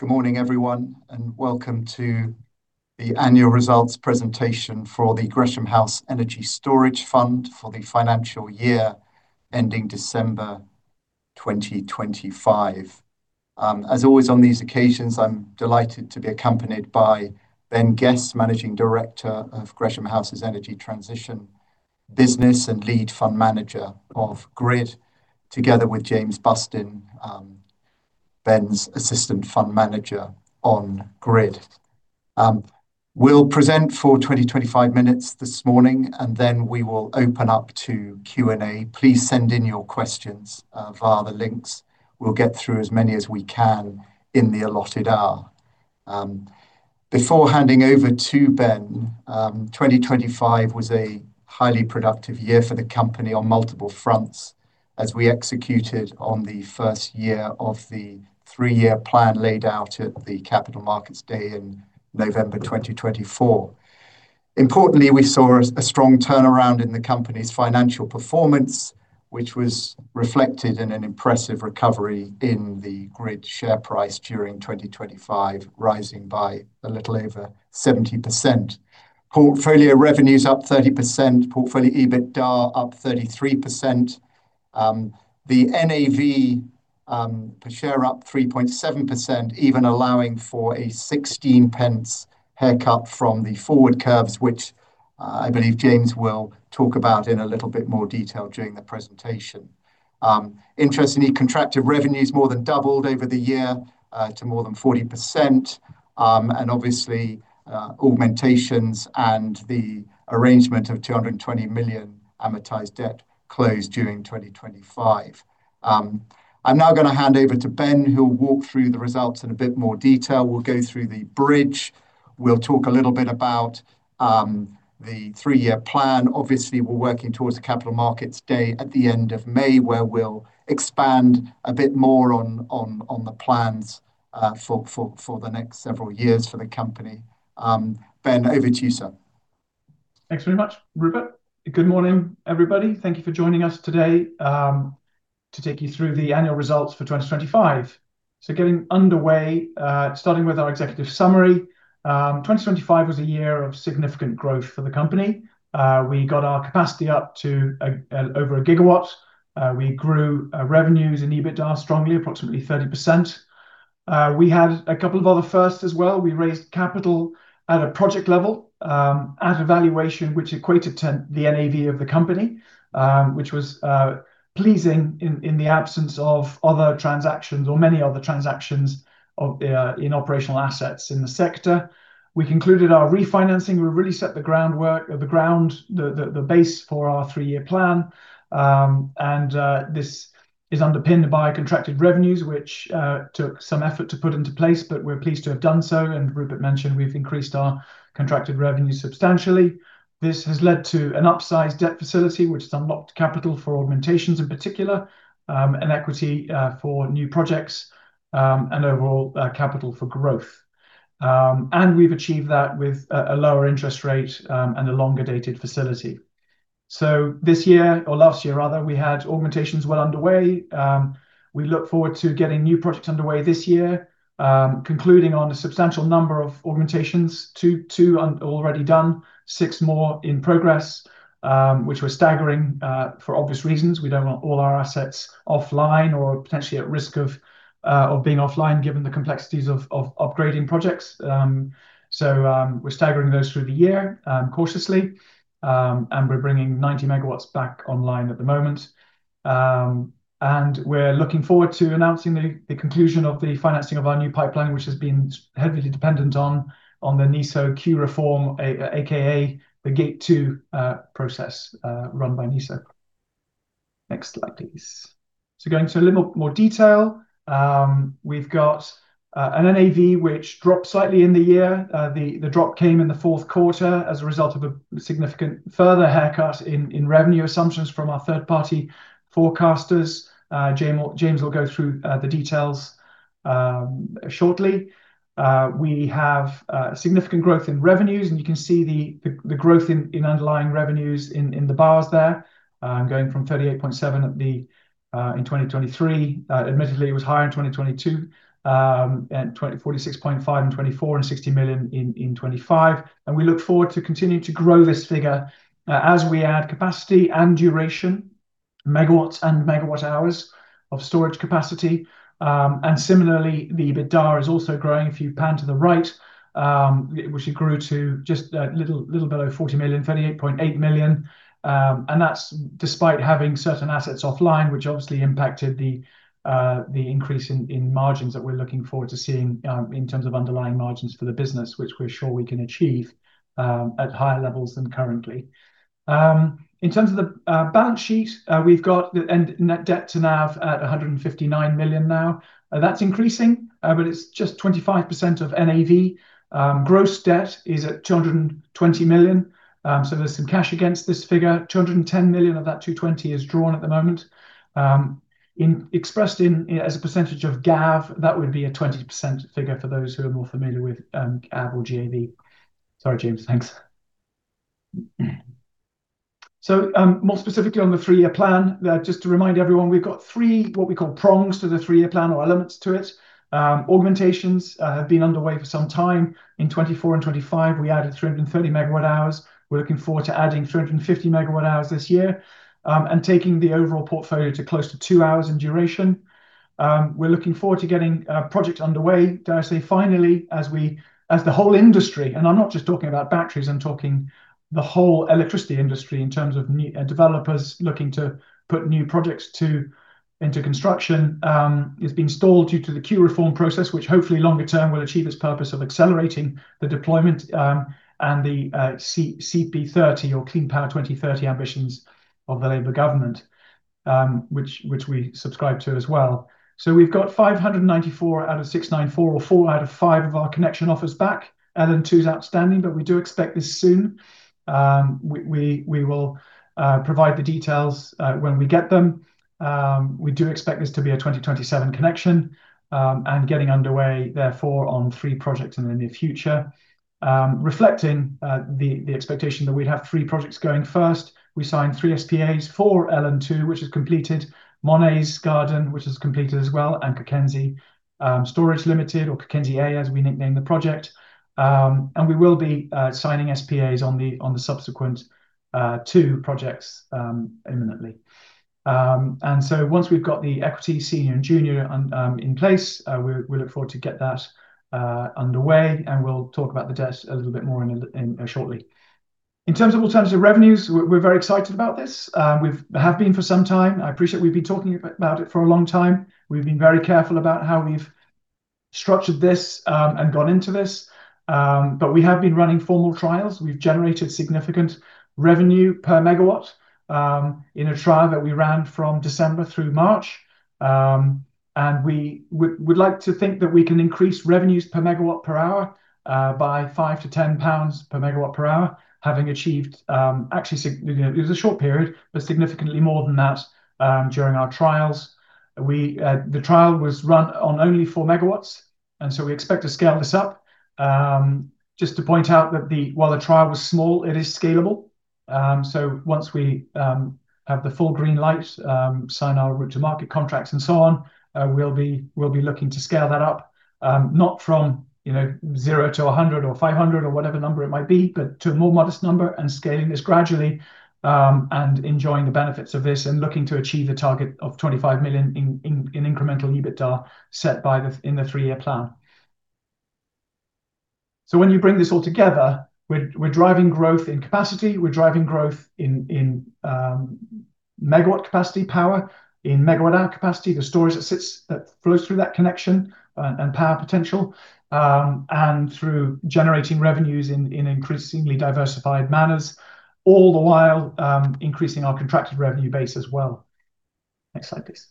Good morning, everyone, and welcome to the annual results presentation for the Gresham House Energy Storage Fund for the financial year ending December 2025. As always, on these occasions, I'm delighted to be accompanied by Ben Guest, Managing Director of Gresham House's Energy Transition Business and Lead Fund Manager of GRID, together with James Bustin, Ben's Assistant Fund Manager on GRID. We'll present for 20 minutes-25 minutes this morning, and then we will open up to Q&A. Please send in your questions via the links. We'll get through as many as we can in the allotted hour. Before handing over to Ben, 2025 was a highly productive year for the company on multiple fronts as we executed on the first year of the three-year plan laid out at the Capital Markets Day in November 2024. Importantly, we saw a strong turnaround in the company's financial performance, which was reflected in an impressive recovery in the GRID share price during 2025, rising by a little over 70%. Portfolio revenue's up 30%, portfolio EBITDA up 33%, the NAV per share up 3.7%, even allowing for a 0.16 haircut from the forward curves, which I believe James will talk about in a little bit more detail during the presentation. Interestingly, contracted revenue's more than doubled over the year to more than 40%, and obviously, augmentations and the arrangement of 220 million amortized debt closed during 2025. I'm now going to hand over to Ben, who'll walk through the results in a bit more detail. We'll go through the bridge, we'll talk a little bit about the three-year plan. Obviously, we're working towards the Capital Markets Day at the end of May, where we'll expand a bit more on the plans for the next several years for the company. Ben, over to you, sir. Thanks very much, Rupert. Good morning, everybody. Thank you for joining us today, to take you through the annual results for 2025. Getting underway, starting with our executive summary. 2025 was a year of significant growth for the company. We got our capacity up to over 1 GW. We grew revenues and EBITDA strongly, approximately 30%. We had a couple of other firsts as well. We raised capital at a project level, at a valuation which equated to the NAV of the company, which was pleasing in the absence of other transactions or many other transactions in operational assets in the sector. We concluded our refinancing. We really set the groundwork, the base for our 3-year plan, and this is underpinned by contracted revenues, which took some effort to put into place, but we're pleased to have done so and Rupert mentioned we've increased our contracted revenue substantially. This has led to an upsized debt facility, which has unlocked capital for augmentations in particular, and equity for new projects, and overall, capital for growth. We've achieved that with a lower interest rate and a longer-dated facility. This year or last year rather, we had augmentations well underway. We look forward to getting new projects underway this year, concluding on a substantial number of augmentations. Two already done, six more in progress, which we're staggering for obvious reasons. We don't want all our assets offline or potentially at risk of being offline given the complexities of upgrading projects. We're staggering those through the year cautiously, and we're bringing 90 MW back online at the moment. We're looking forward to announcing the conclusion of the financing of our new pipeline, which has been heavily dependent on the NESO queue reform, AKA the Gate 2 process run by NESO. Next slide, please. Going to a little more detail. We've got an NAV which dropped slightly in the year. The drop came in the Q4 as a result of a significant further haircut in revenue assumptions from our third-party forecasters. James will go through the details shortly. We have significant growth in revenues, and you can see the growth in underlying revenues in the bars there, going from 38.7 in 2023. Admittedly, it was higher in 2022, and 46.5 in 2024 and 60 million in 2025. We look forward to continuing to grow this figure as we add capacity and duration, megawatts and megawatt-hours of storage capacity. Similarly, the EBITDA is also growing, if you pan to the right, which it grew to just a little below 40 million, 38.8 million. That's despite having certain assets offline, which obviously impacted the increase in margins that we're looking forward to seeing in terms of underlying margins for the business, which we're sure we can achieve at higher levels than currently. In terms of the balance sheet, we've got net debt to NAV at 159 million now. That's increasing, but it's just 25% of NAV. Gross debt is at 220 million, so there's some cash against this figure. 210 million of that 220 million is drawn at the moment. Expressed as a percentage of GAV, that would be a 20% figure for those who are more familiar with GAV. Sorry, James. Thanks. More specifically on the three-year plan, just to remind everyone, we've got three, what we call prongs to the three-year plan or elements to it. Augmentations have been underway for some time. In 2024 and 2025, we added 330 MWh. We're looking forward to adding 350 MWh this year, and taking the overall portfolio to close to two hours in duration. We're looking forward to getting a project underway, dare I say finally, as the whole industry, and I'm not just talking about batteries, I'm talking the whole electricity industry in terms of developers looking to put new projects into construction, is being stalled due to the queue reform process, which hopefully longer term will achieve its purpose of accelerating the deployment, and the CP30 or Clean Power 2030 ambitions of the Labour Government, which we subscribe to as well. We've got 594 out of 694, or 4 out of 5 of our connection offers back. LN2's outstanding, but we do expect this soon. We will provide the details when we get them. We do expect this to be a 2027 connection, and getting underway therefore on three projects in the near future. Reflecting the expectation that we'd have three projects going first, we signed three SPAs for LN2, which is completed, Monet's Garden, which is completed as well, and Mackenzie Storage Limited or Mackenzie A as we nicknamed the project. We will be signing SPAs on the subsequent two projects imminently. Once we've got the equity senior and junior in place, we look forward to get that underway, and we'll talk about the debt a little bit more shortly. In terms of alternative revenues, we're very excited about this. We have been for some time. I appreciate we've been talking about it for a long time. We've been very careful about how we've structured this, and got into this. We have been running formal trials. We've generated significant revenue per megawatts in a trial that we ran from December through March. We would like to think that we can increase revenues per megawatt per hour by 5-10 pounds per megawatt per hour, having achieved, it was a short period, but significantly more than that, during our trials. The trial was run on only 4 MW, and so we expect to scale this up. Just to point out that while the trial was small, it is scalable. Once we have the full green light, sign our route to market contracts and so on, we'll be looking to scale that up, not from 0 to 100 or 500 or whatever number it might be, but to a more modest number and scaling this gradually, and enjoying the benefits of this and looking to achieve a target of 25 million in incremental EBITDA set in the three-year plan. When you bring this all together, we're driving growth in capacity, we're driving growth in megawatt capacity, power in megawatt hour capacity, the storage that flows through that connection, and power potential, and through generating revenues in increasingly diversified manners, all the while increasing our contracted revenue base as well. Next slide, please.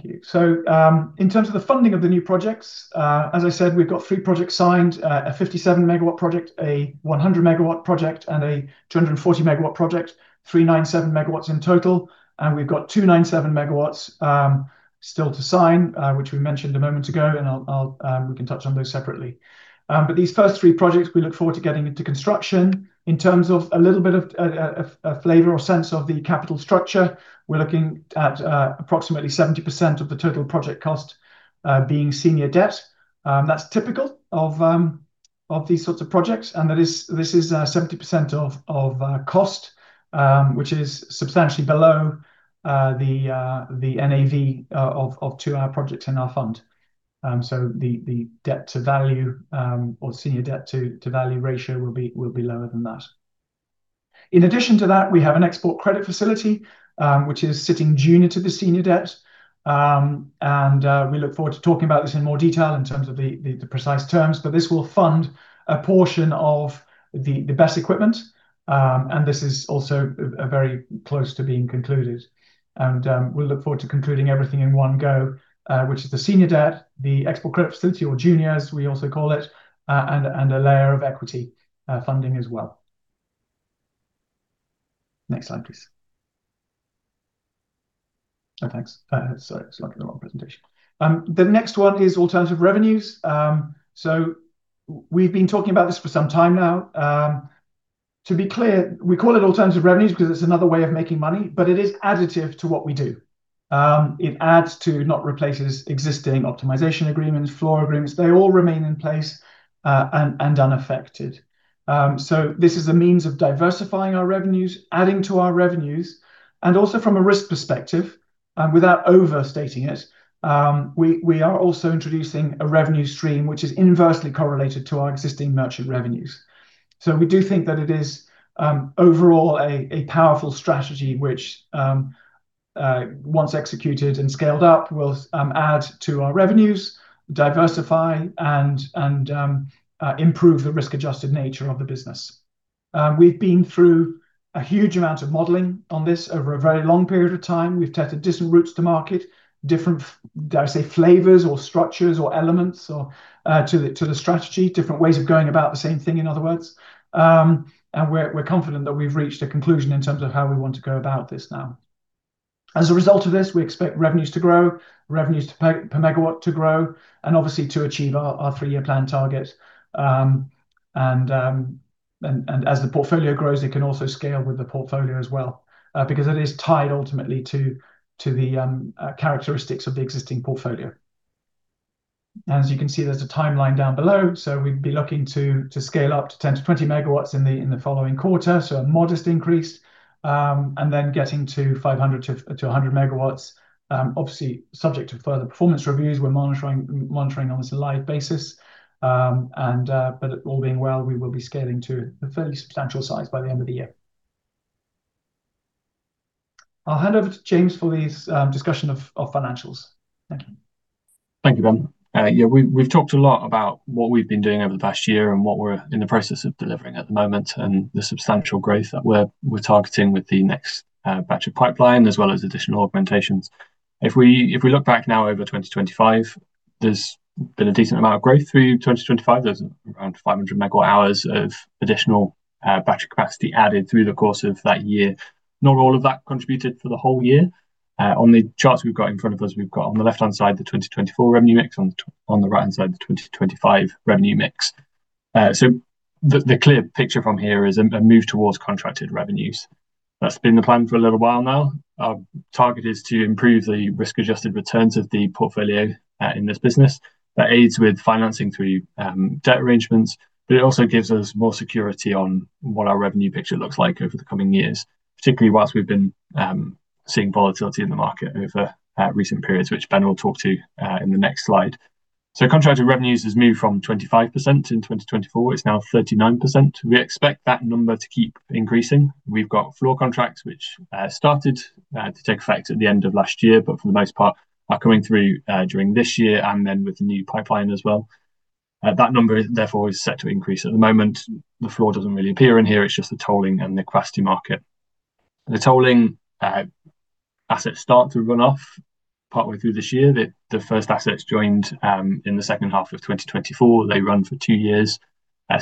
Thank you. In terms of the funding of the new projects, as I said, we've got three projects signed, a 57 MW project, a 100 MW project, and a 240 MW project, 397 MW in total. We've got 297 MW still to sign, which we mentioned a moment ago, and we can touch on those separately. These first three projects, we look forward to getting into construction. In terms of a little bit of a flavor or sense of the capital structure, we're looking at approximately 70% of the total project cost being senior debt. That's typical of these sorts of projects, and this is 70% of cost, which is substantially below the NAV of two-hour projects in our fund. The debt to value, or senior debt to value ratio will be lower than that. In addition to that, we have an export credit facility, which is sitting junior to the senior debt. We look forward to talking about this in more detail in terms of the precise terms, but this will fund a portion of the BESS equipment. This is also very close to being concluded. We'll look forward to concluding everything in one go, which is the senior debt, the export credit facility or junior, as we also call it, and a layer of equity funding as well. Next slide, please. No, thanks. Sorry, it's like a long presentation. The next one is alternative revenues. We've been talking about this for some time now. To be clear, we call it alternative revenues because it's another way of making money, but it is additive to what we do. It adds to, not replaces existing optimization agreements, floor agreements. They all remain in place, and unaffected. This is a means of diversifying our revenues, adding to our revenues, and also from a risk perspective, without overstating it, we are also introducing a revenue stream, which is inversely correlated to our existing merchant revenues. We do think that it is, overall, a powerful strategy, which once executed and scaled up, will add to our revenues, diversify, and improve the risk-adjusted nature of the business. We've been through a huge amount of modeling on this over a very long period of time. We've tested different routes to market, different, dare I say, flavors or structures or elements to the strategy, different ways of going about the same thing, in other words. We're confident that we've reached a conclusion in terms of how we want to go about this now. As a result of this, we expect revenues to grow, revenues per megawatt to grow, and obviously to achieve our three-year plan target. As the portfolio grows, it can also scale with the portfolio as well, because it is tied ultimately to the characteristics of the existing portfolio. As you can see, there's a timeline down below. We'd be looking to scale up to 10 MW-20 MW in the following quarter, so a modest increase, and then getting to 500 MW-100 MW. Obviously, subject to further performance reviews, we're monitoring on this live basis. All being well, we will be scaling to a fairly substantial size by the end of the year. I'll hand over to James for his discussion of financials. Thank you. Thank you, Ben. Yeah, we've talked a lot about what we've been doing over the past year and what we're in the process of delivering at the moment, and the substantial growth that we're targeting with the next batch of pipeline, as well as additional augmentations. If we look back now over 2025, there's been a decent amount of growth through 2025. There's around 500 MWh of additional battery capacity added through the course of that year. Not all of that contributed for the whole year. On the charts we've got in front of us, we've got on the left-hand side the 2024 revenue mix, on the right-hand side, the 2025 revenue mix. The clear picture from here is a move towards contracted revenues. That's been the plan for a little while now. Our target is to improve the risk-adjusted returns of the portfolio in this business. That aids with financing through debt arrangements, but it also gives us more security on what our revenue picture looks like over the coming years, particularly while we've been seeing volatility in the market over recent periods, which Ben will talk to in the next slide. Contracted revenues has moved from 25% in 2024, it's now 39%. We expect that number to keep increasing. We've got floor contracts which started to take effect at the end of last year, but for the most part, are coming through during this year, and then with the new pipeline as well. That number, therefore, is set to increase. At the moment, the floor doesn't really appear in here, it's just the tolling and the Capacity Market. The tolling assets start to run off partway through this year. The first assets joined in the second half of 2024. They run for two years.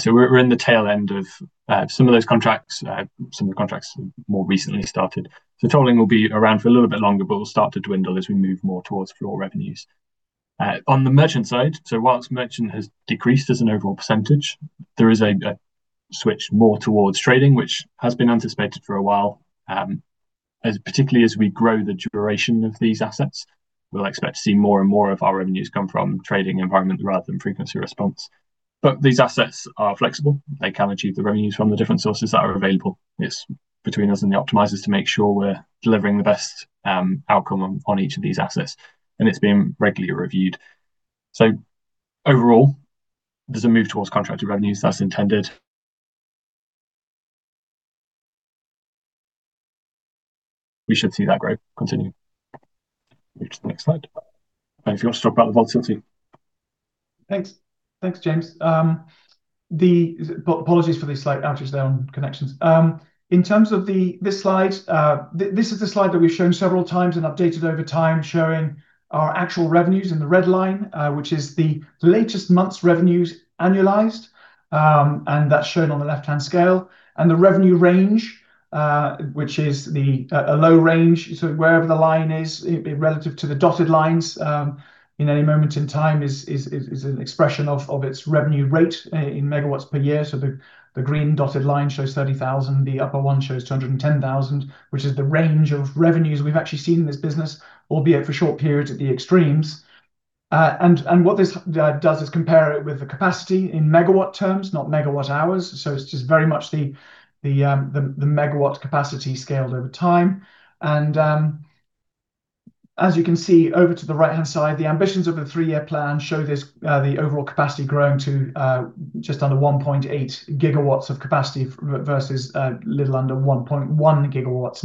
We're in the tail end of some of those contracts, some of the contracts more recently started. Tolling will be around for a little bit longer, but will start to dwindle as we move more towards floor revenues. On the merchant side, so while merchant has decreased as an overall percentage, there is a switch more towards trading, which has been anticipated for a while. Particularly as we grow the duration of these assets, we'll expect to see more and more of our revenues come from trading environment rather than frequency response. These assets are flexible. They can achieve the revenues from the different sources that are available. It's between us and the optimizers to make sure we're delivering the best outcome on each of these assets, and it's being regularly reviewed. Overall, there's a move towards contracted revenues, that's intended. We should see that growth continue. Move to the next slide. Ben, if you want to talk about the volatility. Thanks, James. Apologies for the slight outage there on connections. In terms of this slide, this is the slide that we've shown several times and updated over time, showing our actual revenues in the red line, which is the latest month's revenues annualized, and that's shown on the left-hand scale. The revenue range, which is a low range, so wherever the line is relative to the dotted lines in any moment in time is an expression of its revenue rate in megawatts per year. The green dotted line shows 30,000. The upper one shows 210,000, which is the range of revenues we've actually seen in this business, albeit for short periods at the extremes. What this does is compare it with the capacity in megawatt terms, not megawatt hours. It's just very much the megawatt capacity scaled over time. As you can see, over to the right-hand side, the ambitions of the three-year plan show the overall capacity growing to just under 1.8 GW of capacity versus a little under 1.1 GW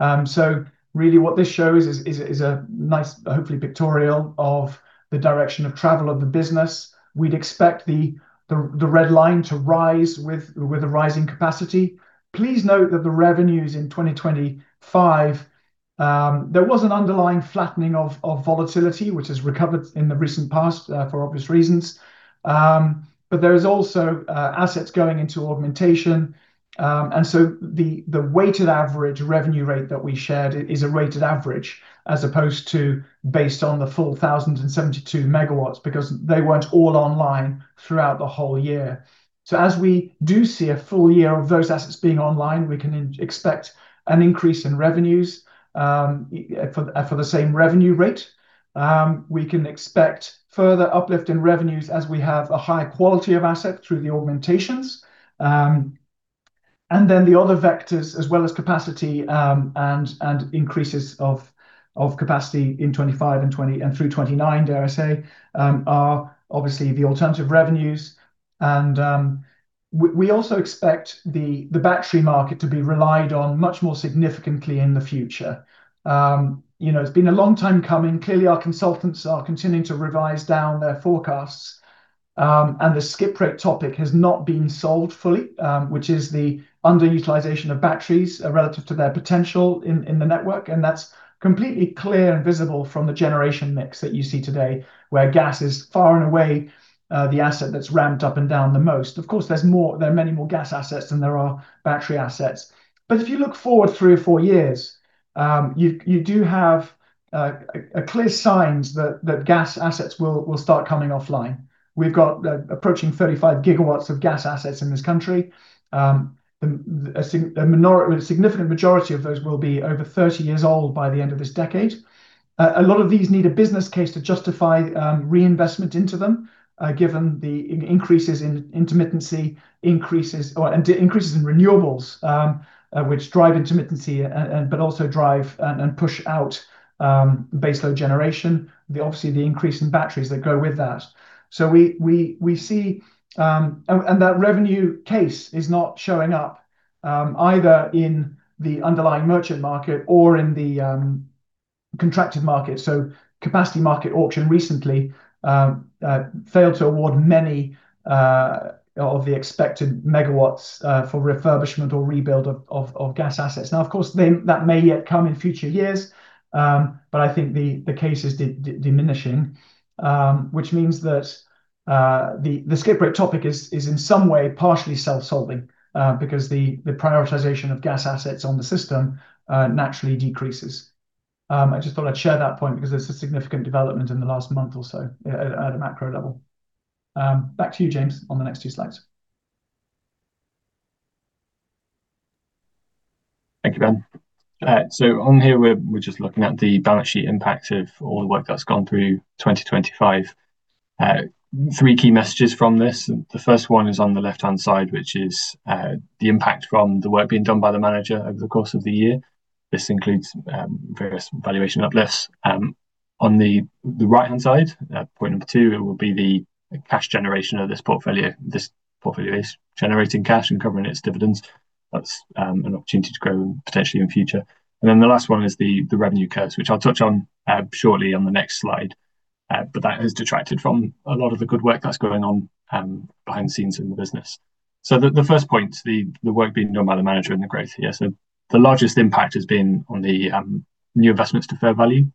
now. Really what this shows is a nice, hopefully pictorial, of the direction of travel of the business. We'd expect the red line to rise with the rising capacity. Please note that the revenues in 2025, there was an underlying flattening of volatility which has recovered in the recent past for obvious reasons. There is also assets going into augmentation, and so the weighted average revenue rate that we shared is a weighted average as opposed to based on the full 1,072 MW, because they weren't all online throughout the whole year. As we do see a full year of those assets being online, we can expect an increase in revenues for the same revenue rate. We can expect further uplift in revenues as we have a higher quality of asset through the augmentations. Then the other vectors, as well as capacity and increases of capacity in 2025 and through 2029, dare I say, are obviously the alternative revenues. We also expect the battery market to be relied on much more significantly in the future. It's been a long time coming. Clearly, our consultants are continuing to revise down their forecasts, and the skip rate topic has not been solved fully, which is the underutilization of batteries relative to their potential in the network, and that's completely clear and visible from the generation mix that you see today, where gas is far and away the asset that's ramped up and down the most. Of course, there are many more gas assets than there are battery assets. If you look forward three or four years, you do have clear signs that gas assets will start coming offline. We've got approaching 35 GW of gas assets in this country. A significant majority of those will be over 30 years old by the end of this decade. A lot of these need a business case to justify reinvestment into them, given the increases in intermittency and increases in renewables, which drive intermittency, but also drive and push out baseload generation. Obviously, the increase in batteries that go with that. That revenue case is not showing up either in the underlying merchant market or in the contracted market. Capacity Market auction recently failed to award many of the expected megawatts for refurbishment or rebuild of gas assets. Now, of course, that may yet come in future years, but I think the case is diminishing, which means that the skip rate topic is in some way partially self-solving, because the prioritization of gas assets on the system naturally decreases. I just thought I'd share that point because there's a significant development in the last month or so at a macro level. Back to you, James, on the next two slides. Thank you, Ben. On here, we're just looking at the balance sheet impact of all the work that's gone through 2025. Three key messages from this. The first one is on the left-hand side, which is the impact from the work being done by the manager over the course of the year. This includes various valuation uplifts. On the right-hand side, point number two, it will be the cash generation of this portfolio. This portfolio is generating cash and covering its dividends. That's an opportunity to grow potentially in future. Then the last one is the revenue curves, which I'll touch on shortly on the next slide. That has detracted from a lot of the good work that's going on behind the scenes in the business. The first point, the work being done by the manager and the growth here. The largest impact has been on the new investments to fair value.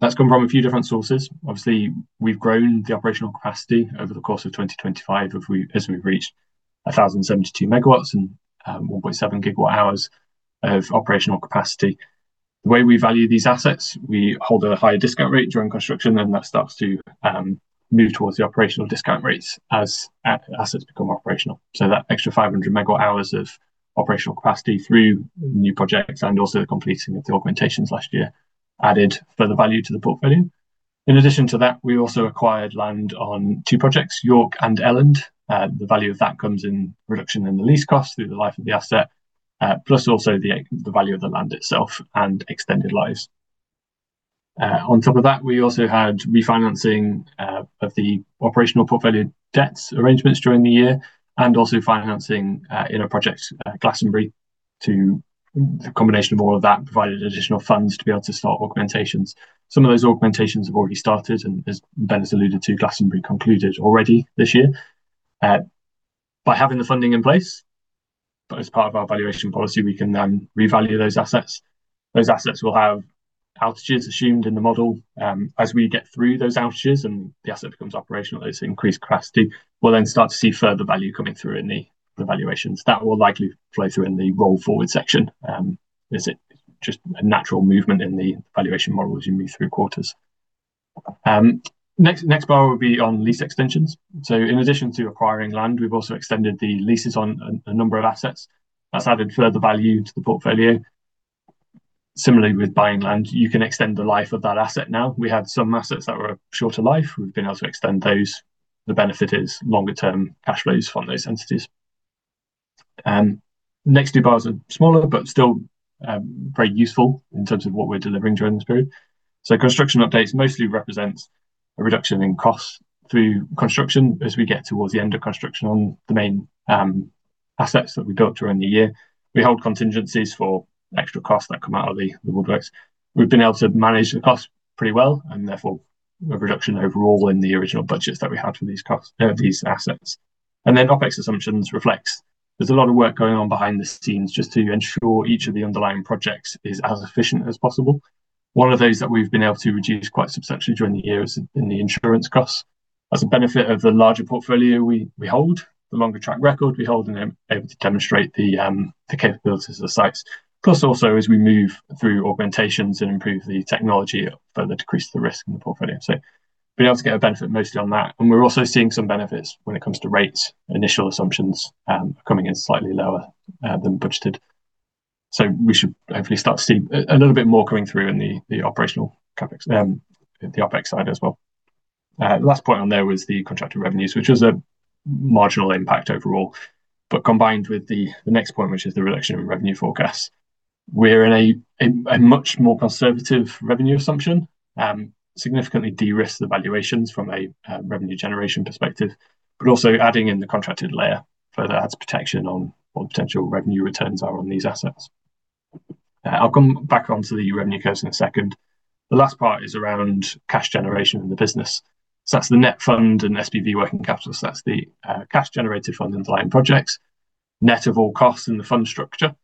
That's come from a few different sources. Obviously, we've grown the operational capacity over the course of 2025 as we've reached 1,072 MW and 1.7 GWh of operational capacity. The way we value these assets, we hold a higher discount rate during construction, and that starts to move towards the operational discount rates as assets become operational. That extra 500 MWh of operational capacity through new projects and also the completing of the augmentations last year added further value to the portfolio. In addition to that, we also acquired land on two projects, York and Elland. The value of that comes in reduction in the lease costs through the life of the asset, plus also the value of the land itself and extended lives. On top of that, we also had refinancing of the operational portfolio debt arrangements during the year and also financing in a project, Glastonbury. The combination of all of that provided additional funds to be able to start augmentations. Some of those augmentations have already started, and as Ben has alluded to, Glastonbury concluded already this year. By having the funding in place, as part of our valuation policy, we can then revalue those assets. Those assets will have outages assumed in the model. As we get through those outages and the asset becomes operational, those increased capacity will then start to see further value coming through in the valuations. That will likely flow through in the roll forward section, as it's just a natural movement in the valuation model as you move through quarters. Next bar will be on lease extensions. In addition to acquiring land, we've also extended the leases on a number of assets. That's added further value to the portfolio. Similarly, with buying land, you can extend the life of that asset now. We had some assets that were shorter life. We've been able to extend those. The benefit is longer term cash flows from those entities. Next two bars are smaller, but still very useful in terms of what we're delivering during this period. Construction updates mostly represents a reduction in costs through construction as we get towards the end of construction on the main assets that we built during the year. We hold contingencies for extra costs that come out of the woodwork. We've been able to manage the cost pretty well, and therefore, a reduction overall in the original budgets that we had for these assets. OpEx assumptions reflects there's a lot of work going on behind the scenes just to ensure each of the underlying projects is as efficient as possible. One of those that we've been able to reduce quite substantially during the year is in the insurance costs as a benefit of the larger portfolio we hold, the longer track record we hold and able to demonstrate the capabilities of the sites. Plus also, as we move through augmentations and improve the technology, further decrease the risk in the portfolio, so being able to get a benefit mostly on that. We're also seeing some benefits when it comes to rates. Initial assumptions are coming in slightly lower than budgeted. We should hopefully start to see a little bit more coming through in the operational OpEx side as well. Last point on there was the contracted revenues, which was a marginal impact overall. Combined with the next point, which is the reduction in revenue forecasts, we're in a much more conservative revenue assumption, significantly de-risk the valuations from a revenue generation perspective, but also adding in the contracted layer further adds protection on what potential revenue returns are on these assets. I'll come back onto the revenue curves in a second. The last part is around cash generation in the business. That's the net fund and SPV working capital. That's the cash generated from the fund underlying projects, net of all costs in the fund structure,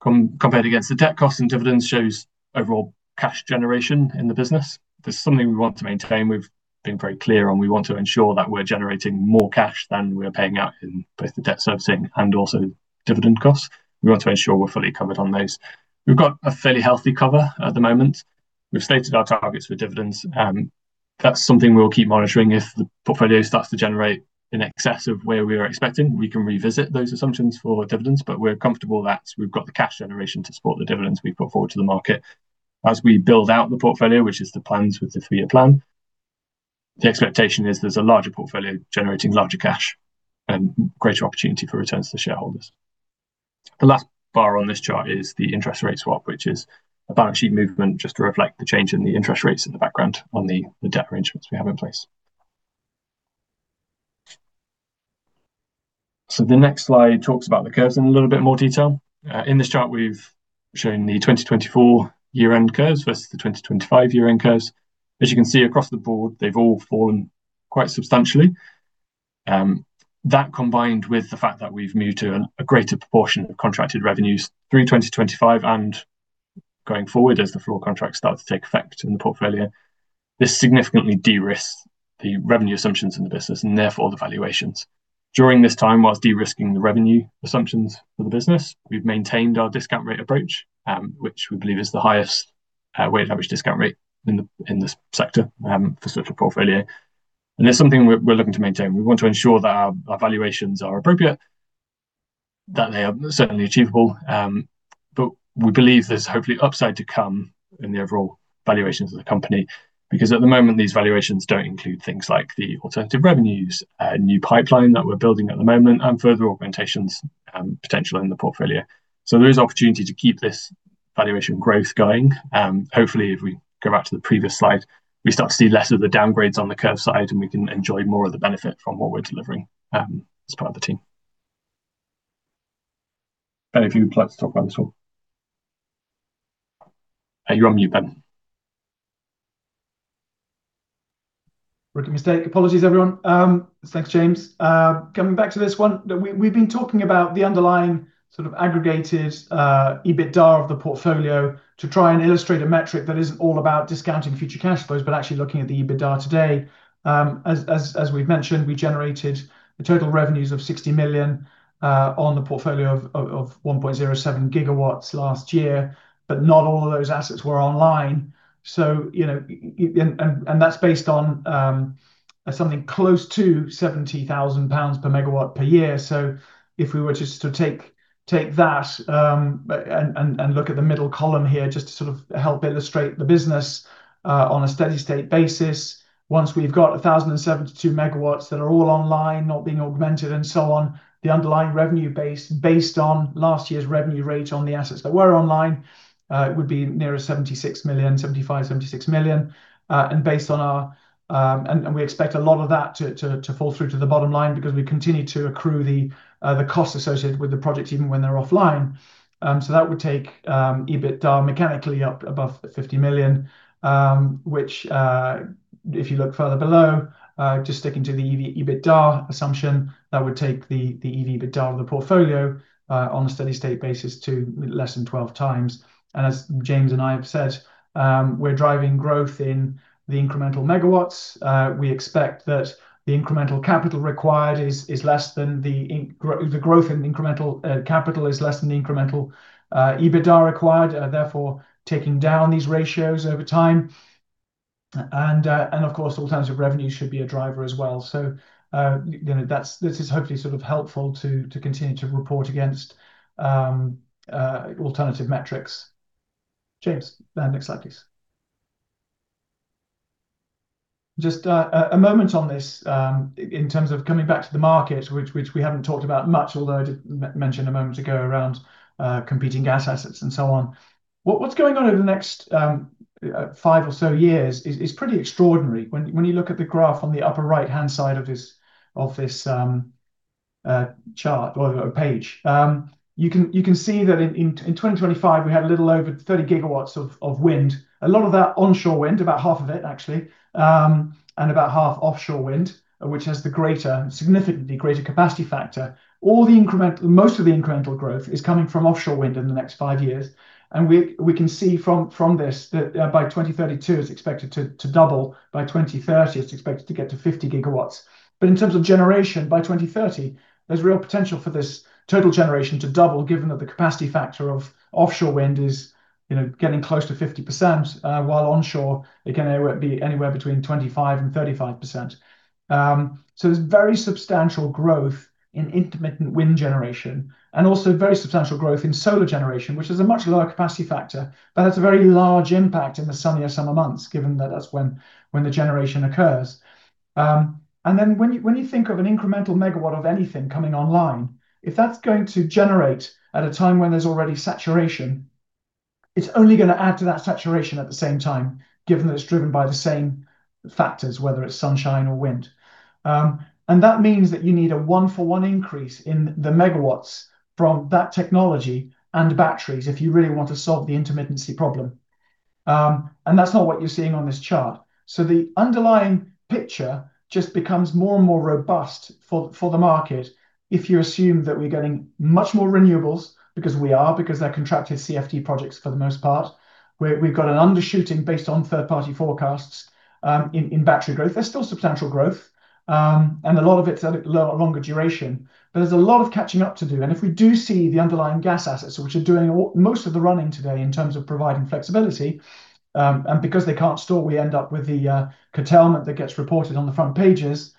compared against the debt, costs and dividends shows overall cash generation in the business. This is something we want to maintain, we've been very clear on, we want to ensure that we're generating more cash than we're paying out in both the debt servicing and also dividend costs. We want to ensure we're fully covered on those. We've got a fairly healthy cover at the moment. We've stated our targets for dividends. That's something we'll keep monitoring. If the portfolio starts to generate in excess of where we are expecting, we can revisit those assumptions for dividends, but we're comfortable that we've got the cash generation to support the dividends we put forward to the market. As we build out the portfolio, which is the plans with the three-year plan, the expectation is there's a larger portfolio generating larger cash and greater opportunity for returns to shareholders. The last bar on this chart is the interest rate swap, which is a balance sheet movement just to reflect the change in the interest rates in the background on the debt arrangements we have in place. The next slide talks about the curves in a little bit more detail. In this chart, we've shown the 2024 year-end curves versus the 2025 year-end curves. As you can see across the board, they've all fallen quite substantially. That, combined with the fact that we've moved to a greater proportion of contracted revenues through 2025 and going forward as the floor contracts start to take effect in the portfolio, this significantly de-risks the revenue assumptions in the business and therefore the valuations. During this time, while de-risking the revenue assumptions for the business, we've maintained our discount rate approach, which we believe is the highest weighted average discount rate in this sector for such a portfolio. It's something we're looking to maintain. We want to ensure that our valuations are appropriate, that they are certainly achievable, but we believe there's hopefully upside to come in the overall valuations of the company because at the moment these valuations don't include things like the alternative revenues, new pipeline that we're building at the moment, and further augmentations potential in the portfolio. There is opportunity to keep this valuation growth going. Hopefully, if we go back to the previous slide, we start to see less of the downgrades on the curve side, and we can enjoy more of the benefit from what we're delivering as part of the team. Ben, if you would like to talk about this one. You're on mute, Ben. Rookie mistake. Apologies, everyone. Thanks, James. Coming back to this one, we've been talking about the underlying sort of aggregated EBITDA of the portfolio to try and illustrate a metric that isn't all about discounting future cash flows, but actually looking at the EBITDA today. As we've mentioned, we generated total revenues of 60 million on the portfolio of 1.07 GW last year, but not all of those assets were online. That's based on something close to 70,000 pounds per MW per year. If we were just to take that and look at the middle column here just to sort of help illustrate the business on a steady-state basis, once we've got 1,072 MW that are all online or being augmented and so on, the underlying revenue base based on last year's revenue rate on the assets that were online, it would be nearer 76 million, 75, 76 million. We expect a lot of that to fall through to the bottom line because we continue to accrue the costs associated with the projects even when they're offline. That would take EBITDA mechanically up above 50 million, which, if you look further below, just sticking to the EBITDA assumption, that would take the EV/EBITDA of the portfolio on a steady-state basis to less than 12x. As James and I have said, we're driving growth in the incremental megawatts. We expect that the growth in incremental capital is less than the incremental EBITDA required, therefore taking down these ratios over time. Of course, alternative revenue should be a driver as well. This is hopefully sort of helpful to continue to report against alternative metrics. James, next slide, please. Just a moment on this, in terms of coming back to the market, which we haven't talked about much, although I did mention a moment ago around competing gas assets and so on. What's going on over the next five or so years is pretty extraordinary. When you look at the graph on the upper right-hand side of this chart or page, you can see that in 2025, we had a little over 30 GW of wind. A lot of that onshore wind, about half of it, actually, and about half offshore wind, which has the significantly greater capacity factor. Most of the incremental growth is coming from offshore wind in the next five years, and we can see from this that by 2032, it's expected to double. By 2030, it's expected to get to 50 GW. In terms of generation, by 2030, there's real potential for this total generation to double, given that the capacity factor of offshore wind is getting close to 50%, while onshore it can be anywhere between 25%-35%. There's very substantial growth in intermittent wind generation and also very substantial growth in solar generation, which has a much lower capacity factor, but has a very large impact in the sunnier summer months, given that that's when the generation occurs. Then when you think of an incremental megawatt of anything coming online, if that's going to generate at a time when there's already saturation, it's only going to add to that saturation at the same time, given that it's driven by the same factors, whether it's sunshine or wind. That means that you need a one for one increase in the megawatts from that technology and batteries if you really want to solve the intermittency problem. That's not what you're seeing on this chart. The underlying picture just becomes more and more robust for the market if you assume that we're getting much more renewables, because we are, because they're contracted CFD projects, for the most part. We've got an undershooting based on third-party forecasts in battery growth. There's still substantial growth, and a lot of it's at a longer duration, but there's a lot of catching up to do. If we do see the underlying gas assets, which are doing most of the running today in terms of providing flexibility. Because they can't store, we end up with the curtailment that gets reported on the front pages.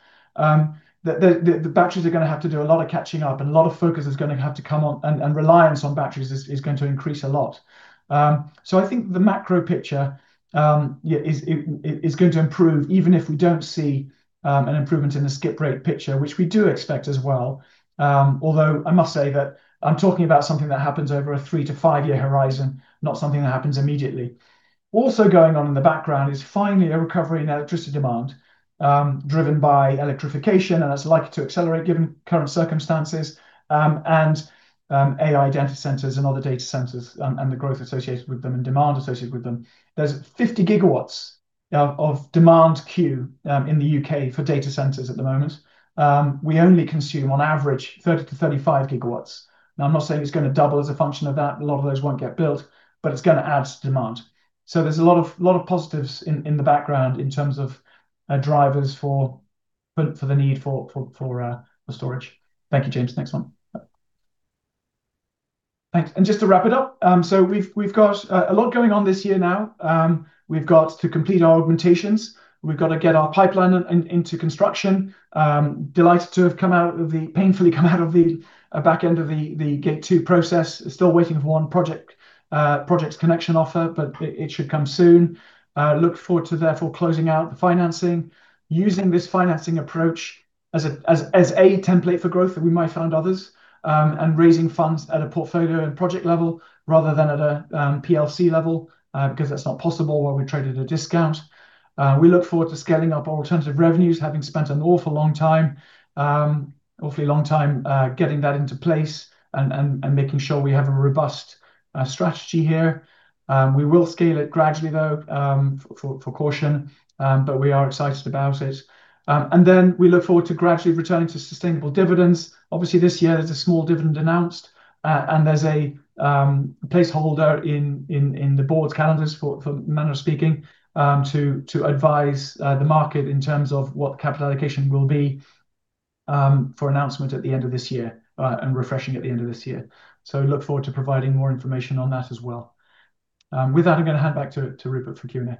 The batteries are going to have to do a lot of catching up, and a lot of focus is going to have to come on, and reliance on batteries is going to increase a lot. I think the macro picture is going to improve even if we don't see an improvement in the skip rate picture, which we do expect as well. Although I must say that I'm talking about something that happens over a 3-year to 5-year horizon, not something that happens immediately. Also going on in the background is finally a recovery in electricity demand, driven by electrification, and that's likely to accelerate given current circumstances, and AI data centers and other data centers, and the growth associated with them, and demand associated with them. There's 50 GW of demand queue in the U.K. for data centers at the moment. We only consume on average 30 GW-35 GW. Now, I'm not saying it's going to double as a function of that. A lot of those won't get built, but it's going to add to demand. There's a lot of positives in the background in terms of drivers for the need for storage. Thank you, James. Next one. Thanks. Just to wrap it up, we've got a lot going on this year now. We've got to complete our augmentations. We've got to get our pipeline into construction. Delighted to have painfully come out of the back end of the Gate 2 process. Still waiting for one project's connection offer, but it should come soon. Look forward to therefore closing out the financing, using this financing approach as a template for growth, and we might found others, and raising funds at a portfolio and project level rather than at a PLC level, because that's not possible while we trade at a discount. We look forward to scaling up our alternative revenues, having spent an awfully long time getting that into place and making sure we have a robust strategy here. We will scale it gradually, though, for caution, but we are excited about it. We look forward to gradually returning to sustainable dividends. Obviously, this year there's a small dividend announced, and there's a placeholder in the board's calendars, in a manner of speaking, to advise the market in terms of what capital allocation will be for announcement at the end of this year, and refreshing at the end of this year. Look forward to providing more information on that as well. With that, I'm going to hand back to Rupert for Q&A.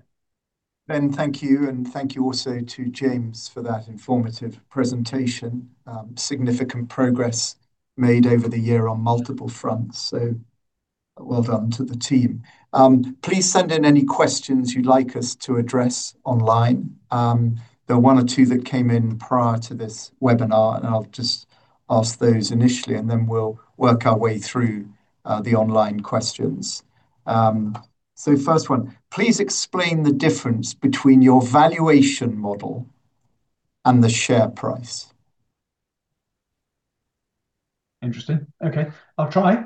Ben, thank you, and thank you also to James for that informative presentation. Significant progress made over the year on multiple fronts, so well done to the team. Please send in any questions you'd like us to address online. There were one or two that came in prior to this webinar, and I'll just ask those initially, and then we'll work our way through the online questions. First one, please explain the difference between your valuation model and the share price? Interesting. Okay, I'll try.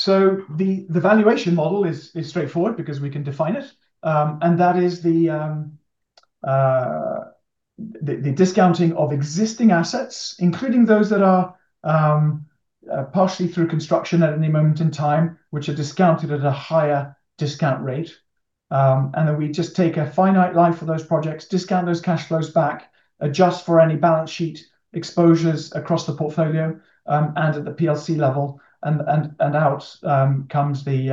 The valuation model is straightforward because we can define it, and that is the discounting of existing assets, including those that are partially through construction at any moment in time, which are discounted at a higher discount rate. Then we just take a finite line for those projects, discount those cash flows back, adjust for any balance sheet exposures across the portfolio, and at the PLC level, and out comes the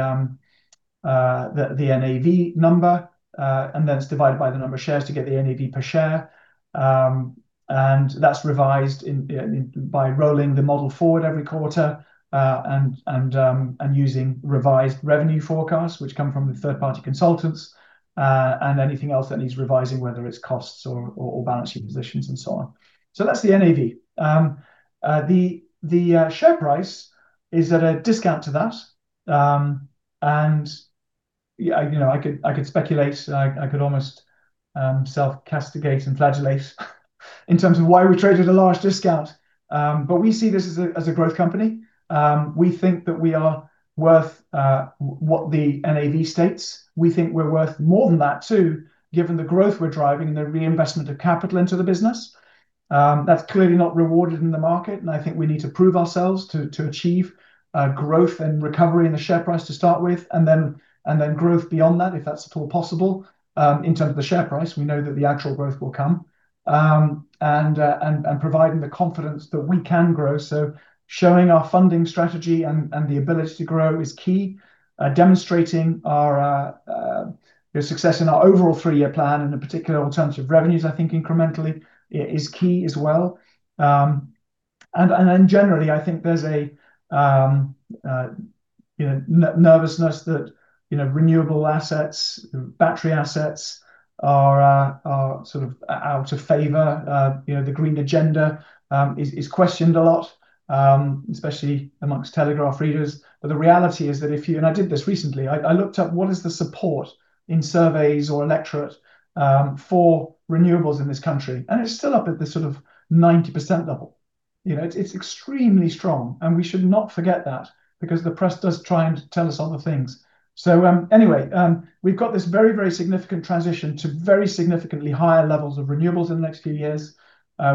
NAV number. Then it's divided by the number of shares to get the NAV per share. That's revised by rolling the model forward every quarter, and using revised revenue forecasts, which come from the third-party consultants, and anything else that needs revising, whether it's costs or balance sheet positions and so on. That's the NAV. The share price is at a discount to that, and I could speculate, I could almost self-castigate and flagellate in terms of why we trade at a large discount. We see this as a growth company. We think that we are worth what the NAV states. We think we're worth more than that, too, given the growth we're driving and the reinvestment of capital into the business. That's clearly not rewarded in the market, and I think we need to prove ourselves to achieve growth and recovery in the share price to start with, and then growth beyond that, if that's at all possible, in terms of the share price. We know that the actual growth will come, and providing the confidence that we can grow. Showing our funding strategy and the ability to grow is key. Demonstrating our success in our overall three-year plan, and in particular, alternative revenues, I think, incrementally, is key as well. Then generally, I think there's a nervousness that renewable assets, battery assets, are sort of out of favor. The green agenda is questioned a lot, especially among Telegraph readers. The reality is that if you, and I did this recently, I looked up what is the support in surveys or electorate, for renewables in this country, and it's still up at the sort of 90% level. It's extremely strong, and we should not forget that because the press does try and tell us other things. Anyway, we've got this very, very significant transition to very significantly higher levels of renewables in the next few years.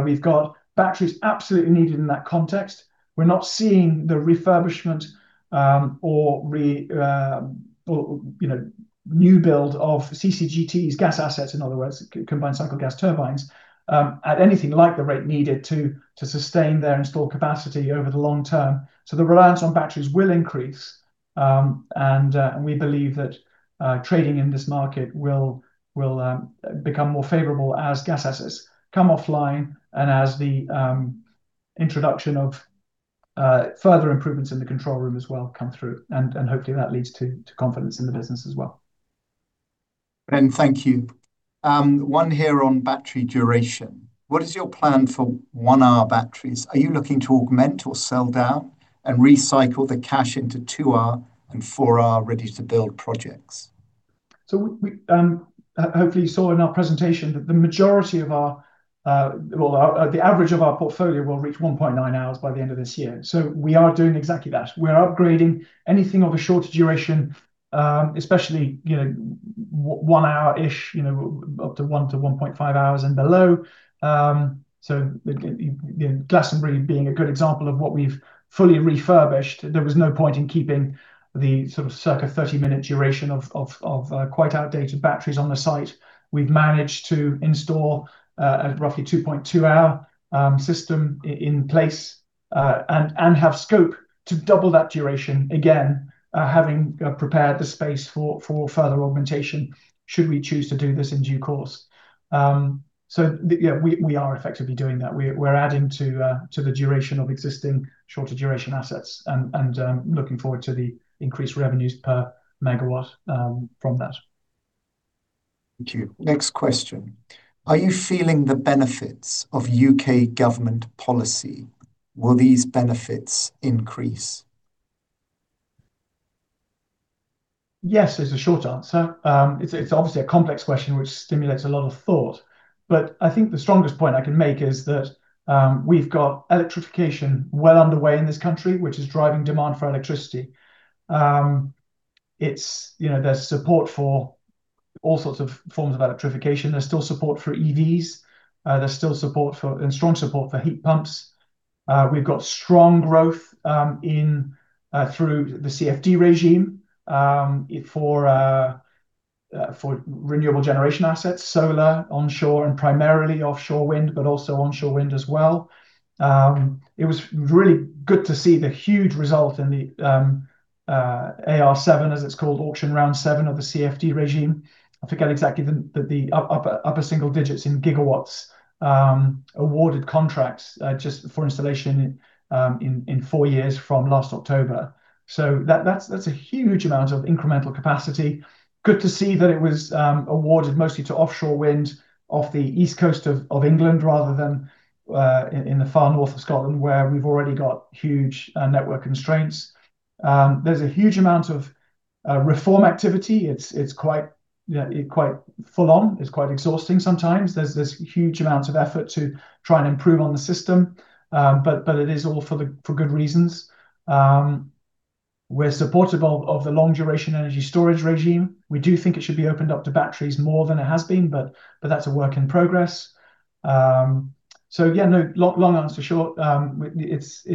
We've got batteries absolutely needed in that context. We're not seeing the refurbishment, or new build of CCGTs, gas assets, in other words, combined cycle gas turbines, at anything like the rate needed to sustain their installed capacity over the long term. The reliance on batteries will increase. We believe that trading in this market will become more favorable as gas assets come offline and as the introduction of further improvements in the control room as well come through. Hopefully that leads to confidence in the business as well. Ben, thank you. One here on battery duration. What is your plan for 1-hour batteries? Are you looking to augment or sell down and recycle the cash into 2-hour and 4-hour ready-to-build projects? Hopefully you saw in our presentation that the average of our portfolio will reach 1.9 hours by the end of this year. We are doing exactly that. We're upgrading anything of a shorter duration, especially 1-hour-ish, up to 1 hours-1.5 hours and below, Glastonbury being a good example of what we've fully refurbished. There was no point in keeping the sort of circa 30-minute duration of quite outdated batteries on the site. We've managed to install a roughly 2.2-hour system in place, and have scope to double that duration again, having prepared the space for further augmentation should we choose to do this in due course. Yeah, we are effectively doing that. We're adding to the duration of existing shorter duration assets and looking forward to the increased revenues per megawatt from that. Thank you. Next question. Are you feeling the benefits of U.K. government policy? Will these benefits increase? Yes is the short answer. It's obviously a complex question, which stimulates a lot of thought, but I think the strongest point I can make is that we've got electrification well underway in this country, which is driving demand for electricity. There's support for all sorts of forms of electrification. There's still support for EVs, there's still strong support for heat pumps. We've got strong growth through the CFD regime for renewable generation assets, solar, onshore and primarily offshore wind, but also onshore wind as well. It was really good to see the huge result in the AR7, as it's called, auction round seven of the CFD regime. I forget exactly the upper single digits in gigawatts awarded contracts, just for installation in four years from last October. That's a huge amount of incremental capacity. Good to see that it was awarded mostly to offshore wind off the east coast of England rather than in the far north of Scotland, where we've already got huge network constraints. There's a huge amount of reform activity. It's quite full on. It's quite exhausting sometimes. There's huge amounts of effort to try and improve on the system, but it is all for good reasons. We're supportive of the long-duration energy storage regime. We do think it should be opened up to batteries more than it has been, but that's a work in progress. Yeah, no, long answer short, it's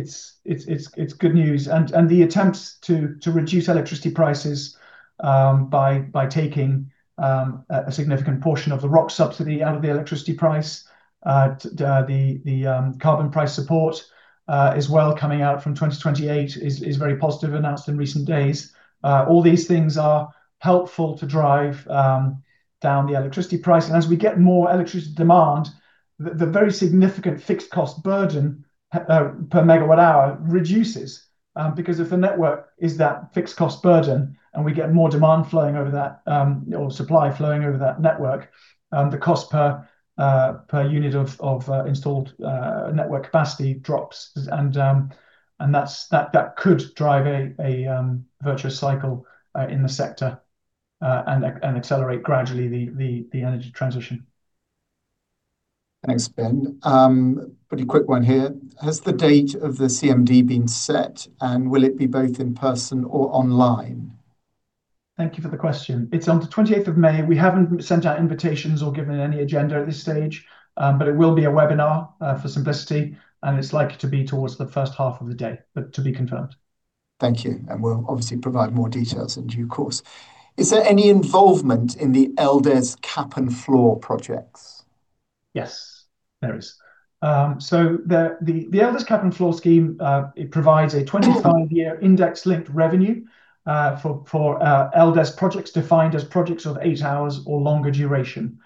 good news. The attempts to reduce electricity prices by taking a significant portion of the ROC subsidy out of the electricity price. The carbon price support as well coming out from 2028 is very positive, announced in recent days. All these things are helpful to drive down the electricity price, and as we get more electricity demand, the very significant fixed cost burden per megawatt hour reduces. Because if the network is that fixed cost burden and we get more demand flowing over that, or supply flowing over that network, the cost per unit of installed network capacity drops. That could drive a virtuous cycle in the sector, and accelerate gradually the energy transition. Thanks, Ben. Pretty quick one here. Has the date of the CMD been set, and will it be both in person or online? Thank you for the question. It's on the May 28th. We haven't sent out invitations or given any agenda at this stage, but it will be a webinar, for simplicity, and it's likely to be towards the first half of the day, but to be confirmed. Thank you. We'll obviously provide more details in due course. Is there any involvement in the LDES cap and floor projects? Yes. There is. The LDES cap and floor scheme, it provides a 25-year index-linked revenue for LDES projects defined as projects of eight hours or longer duration.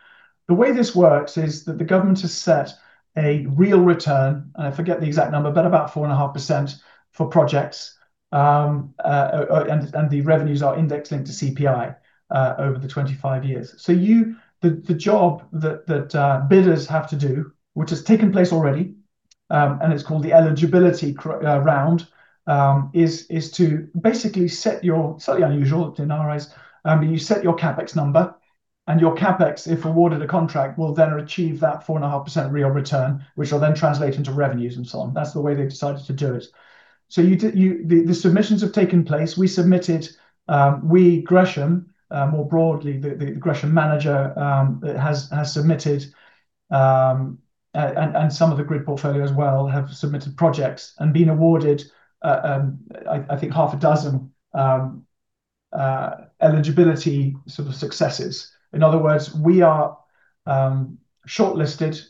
The way this works is that the government has set a real return, and I forget the exact number, but about 4.5% for projects, and the revenues are indexed into CPI over the 25 years. The job that bidders have to do, which has taken place already, and it's called the eligibility round, is to basically set your, slightly unusual in our eyes, you set your CapEx number and your CapEx, if awarded a contract, will then achieve that 4.5% real return, which will then translate into revenues and so on. That's the way they've decided to do it. The submissions have taken place. We, Gresham, more broadly, the Gresham manager, has submitted, and some of the grid portfolio as well have submitted projects and been awarded. I think six eligibility sort of successes. In other words, we are shortlisted.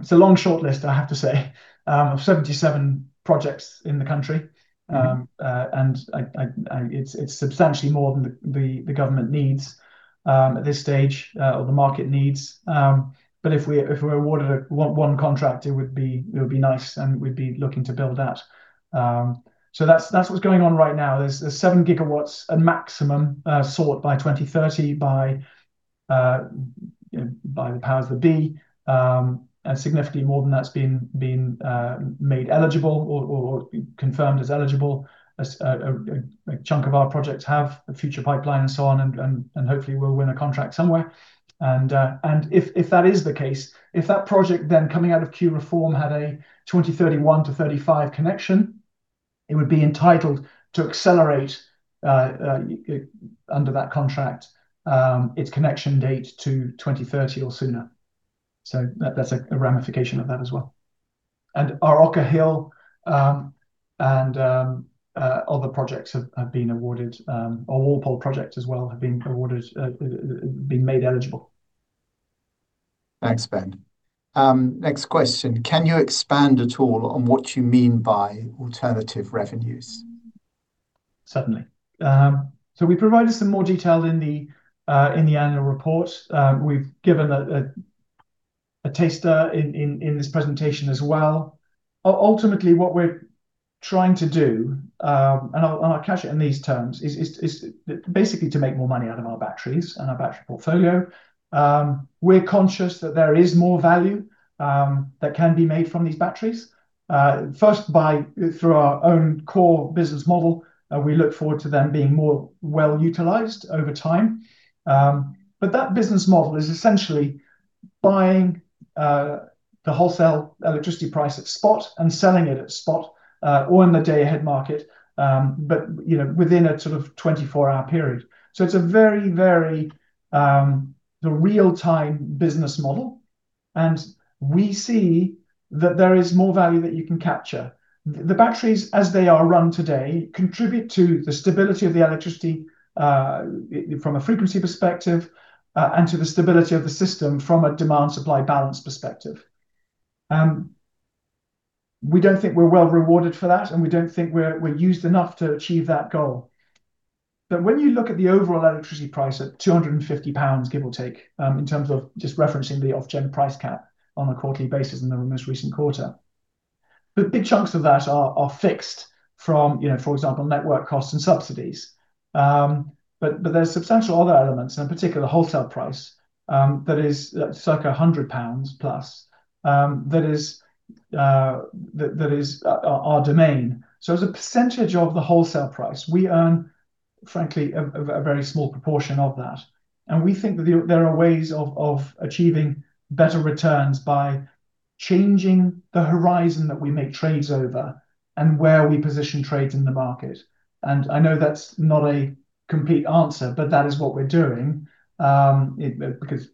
It's a long shortlist, I have to say, of 77 projects in the country. It's substantially more than the government needs at this stage, or the market needs. If we're awarded one contract, it would be nice, and we'd be looking to build that. That's what's going on right now. There's 7 GW of maximum sought by 2030 by the powers that be. Significantly more than that's been made eligible or confirmed as eligible. A chunk of our projects have a future pipeline and so on and hopefully we'll win a contract somewhere. If that is the case, if that project then coming out of Connections Reform had a 2031-2035 connection, it would be entitled to accelerate, under that contract, its connection date to 2030 or sooner. That's a ramification of that as well. Our Ocker Hill, and other projects have been awarded, our Walpole project as well, have been made eligible. Thanks, Ben. Next question: Can you expand at all on what you mean by alternative revenues? Certainly. We provided some more detail in the annual report. We've given a taster in this presentation as well. Ultimately, what we're trying to do, and I'll catch it in these terms, is basically to make more money out of our batteries and our battery portfolio. We're conscious that there is more value that can be made from these batteries, first through our own core business model, and we look forward to them being more well-utilized over time. That business model is essentially buying the wholesale electricity price at spot and selling it at spot, or in the day ahead market. Within a sort of 24-hour period. It's a very real-time business model, and we see that there is more value that you can capture. The batteries, as they are run today, contribute to the stability of the electricity from a frequency perspective, and to the stability of the system from a demand-supply balance perspective. We don't think we're well rewarded for that, and we don't think we're used enough to achieve that goal. When you look at the overall electricity price at 250 pounds, give or take, in terms of just referencing the Ofgem price cap on a quarterly basis in the most recent quarter. Big chunks of that are fixed from, for example, network costs and subsidies. There's substantial other elements, and in particular, wholesale price, that is circa 100+ pounds, that is our domain. As a percentage of the wholesale price, we earn, frankly, a very small proportion of that. We think that there are ways of achieving better returns by changing the horizon that we make trades over and where we position trades in the market. I know that's not a complete answer, but that is what we're doing. It's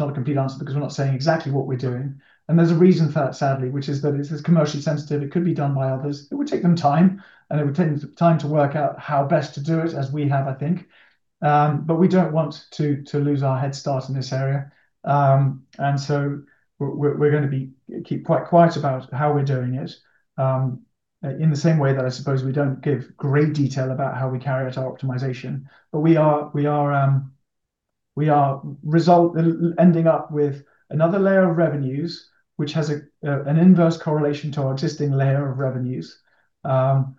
not a complete answer because we're not saying exactly what we're doing, and there's a reason for that, sadly, which is that it's commercially sensitive. It could be done by others. It would take them time to work out how best to do it as we have, I think. We don't want to lose our head start in this area. We're going to keep quite quiet about how we're doing it, in the same way that I suppose we don't give great detail about how we carry out our optimization. We are ending up with another layer of revenues, which has an inverse correlation to our existing layer of revenues, that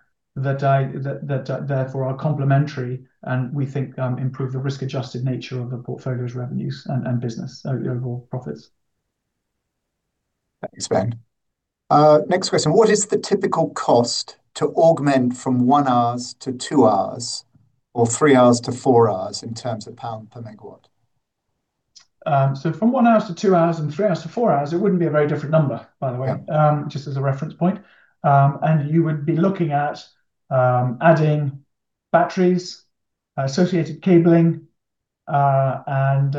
therefore are complementary and we think improve the risk-adjusted nature of the portfolio's revenues and business, overall profits. Thanks, Ben. Next question. What is the typical cost to augment from 1 hours-2 hours or 3 hours-4 hours in terms of pound per megawatt? From 1 hours-2 hours and 3 hours-4 hours, it wouldn't be a very different number, by the way. Just as a reference point. You would be looking at adding batteries, associated cabling, and,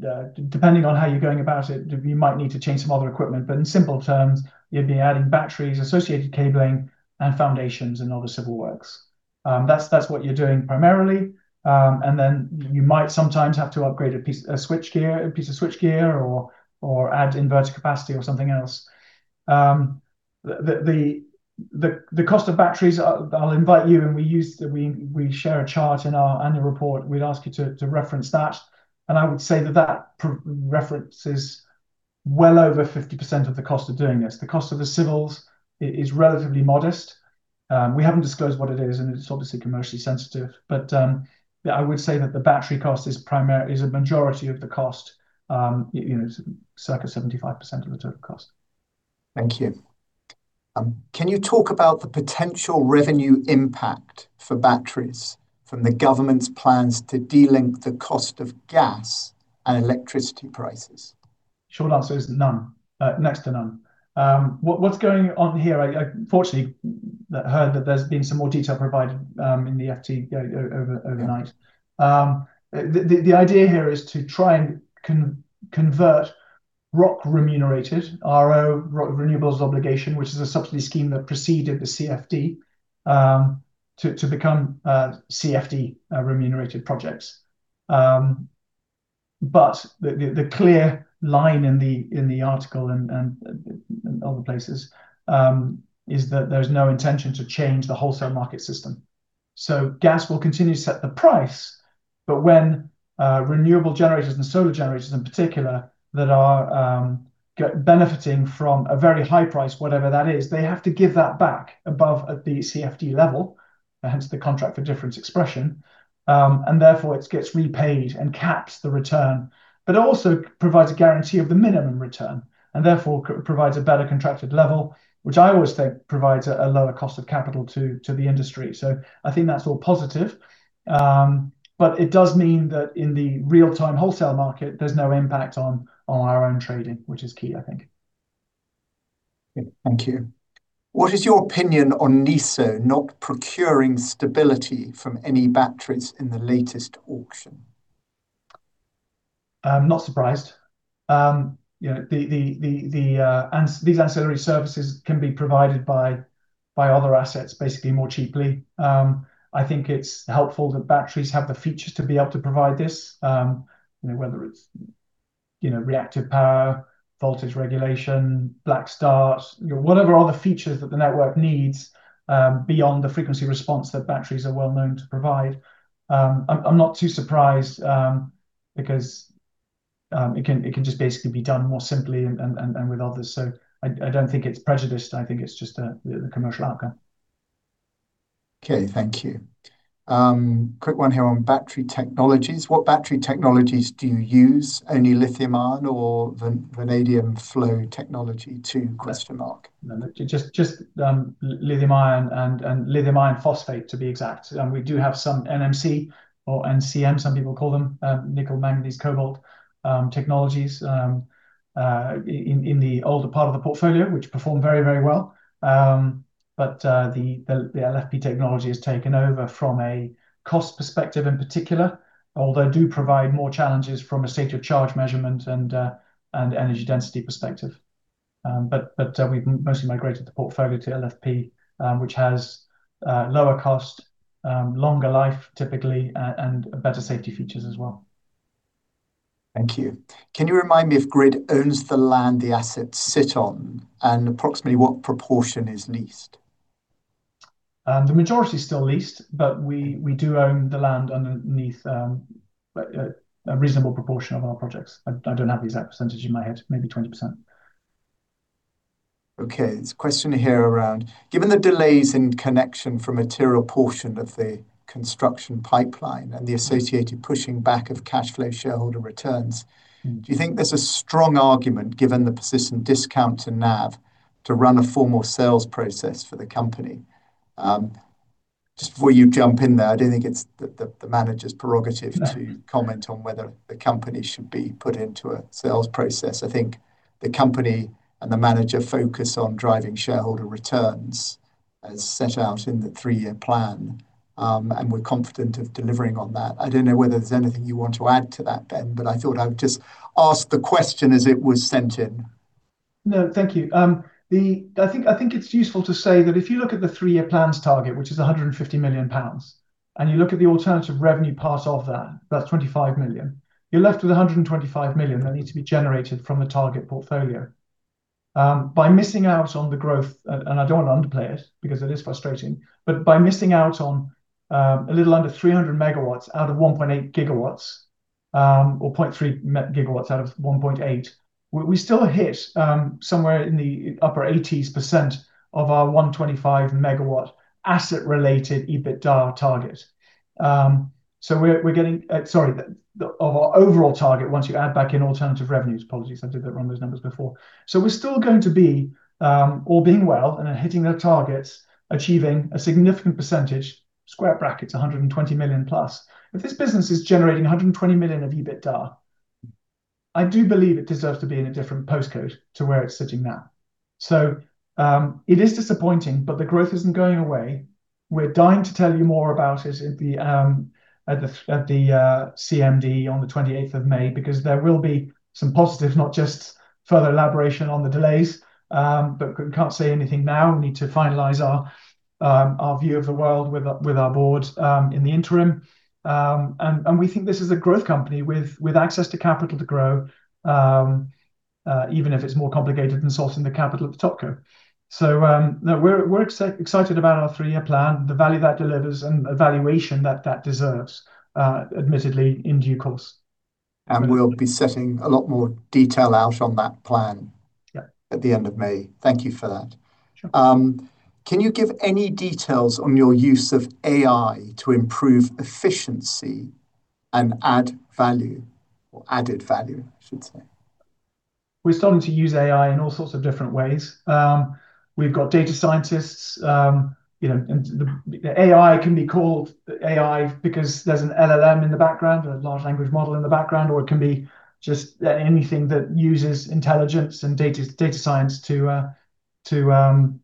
depending on how you're going about it, you might need to change some other equipment. In simple terms, you'd be adding batteries, associated cabling, and foundations, and other civil works. That's what you're doing primarily. Then you might sometimes have to upgrade a piece of switchgear or add inverter capacity or something else. The cost of batteries, I'll illustrate, and we share a chart in our annual report. We'd ask you to reference that, and I would say that that reference is well over 50% of the cost of doing this. The cost of the civils is relatively modest. We haven't disclosed what it is, and it's obviously commercially sensitive. I would say that the battery cost is a majority of the cost, circa 75% of the total cost. Thank you. Can you talk about the potential revenue impact for batteries from the government's plans to de-link the cost of gas and electricity prices? Short answer is none. Next to none. What's going on here, I fortunately heard that there's been some more detail provided in the FT overnight. The idea here is to try and convert ROC remunerated, RO, Renewables Obligation, which is a subsidy scheme that preceded the CFD, to become CFD remunerated projects. The clear line in the article, and other places, is that there's no intention to change the wholesale market system. Gas will continue to set the price, but when renewable generators and solar generators in particular that are benefiting from a very high price, whatever that is, they have to give that back above the CFD level, hence the Contract for Difference expression. Therefore, it gets repaid and caps the return, but also provides a guarantee of the minimum return, and therefore provides a better contracted level, which I always think provides a lower cost of capital to the industry. I think that's all positive. It does mean that in the real-time wholesale market, there's no impact on our own trading, which is key, I think. Thank you. What is your opinion on NESO not procuring stability from any batteries in the latest auction? I'm not surprised. These ancillary services can be provided by other assets, basically more cheaply. I think it's helpful that batteries have the features to be able to provide this, whether it's reactive power, voltage regulation, black start, whatever other features that the network needs, beyond the frequency response that batteries are well-known to provide. I'm not too surprised, because it can just basically be done more simply and with others. I don't think it's prejudiced. I think it's just the commercial outcome. Okay, thank you. Quick one here on battery technologies. What battery technologies do you use? Only lithium-ion or vanadium flow technology too? No, just lithium-ion and lithium-ion phosphate, to be exact. We do have some NMC or NCM, some people call them, nickel manganese cobalt technologies, in the older part of the portfolio, which perform very well. The LFP technology has taken over from a cost perspective in particular, although do provide more challenges from a state of charge measurement and energy density perspective. We've mostly migrated the portfolio to LFP, which has lower cost, longer life typically, and better safety features as well. Thank you. Can you remind me if GRID owns the land the assets sit on, and approximately what proportion is leased? The majority is still leased, but we do own the land underneath a reasonable proportion of our projects. I don't have the exact percentage in my head, maybe 20%. Okay, there's a question here around, given the delays in connection for a material portion of the construction pipeline and the associated pushing back of cash flow shareholder returns, do you think there's a strong argument, given the persistent discount to NAV, to run a formal sales process for the company? Just before you jump in there, I don't think it's the manager's prerogative to- No. -comment on whether the company should be put into a sales process. I think the company and the manager focus on driving shareholder returns as set out in the three-year plan, and we're confident of delivering on that. I don't know whether there's anything you want to add to that, Ben, but I thought I'd just ask the question as it was sent in. No, thank you. I think it's useful to say that if you look at the three-year plan's target, which is 150 million pounds, and you look at the alternative revenue part of that's 25 million, you're left with 125 million that need to be generated from the target portfolio. By missing out on the growth, and I don't want to underplay it, because it is frustrating, but by missing out on a little under 300 MW out of 1.8 GW, or 0.3 GW out of 1.8 GW, we still hit somewhere in the upper 80s% of our 125 million asset-related EBITDA target. Sorry, of our overall target, once you add back in alternative revenues. Apologies, I did get wrong those numbers before. We're still going to be, all being well and then hitting the targets, achieving a significant percentage, square brackets, 120 million+. If this business is generating 120 million of EBITDA, I do believe it deserves to be in a different postcode to where it's sitting now. It is disappointing, but the growth isn't going away. We're dying to tell you more about it at the CMD on the 28th of May, because there will be some positives, not just further elaboration on the delays. We can't say anything now. We need to finalize our view of the world with our board in the interim. We think this is a growth company with access to capital to grow, even if it's more complicated than sorting the capital at the top. No, we're excited about our three-year plan, the value that delivers, and the valuation that that deserves, admittedly, in due course. We'll be setting a lot more detail out on that plan. Yeah At the end of May. Thank you for that. Sure. Can you give any details on your use of AI to improve efficiency and add value or added value, I should say? We're starting to use AI in all sorts of different ways. We've got data scientists. AI can be called AI because there's an LLM in the background or a large language model in the background, or it can be just anything that uses intelligence and data science to inform